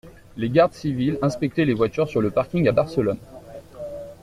Les gardes civils inspectaient les voitures sur le parking à Barcelone.